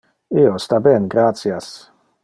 Io sta ben, gratias.